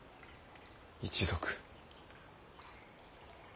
一族。